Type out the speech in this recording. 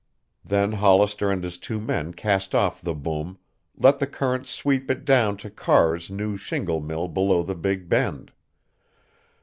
Then Hollister and his two men cast off the boom, let the current sweep it down to Carr's new shingle mill below the Big Bend.